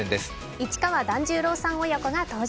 市川團十郎さん親子が登場。